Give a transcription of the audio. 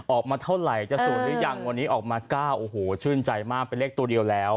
ออกมาเท่าไหร่จะ๐หรือยังวันนี้ออกมา๙โอ้โหชื่นใจมากเป็นเลขตัวเดียวแล้ว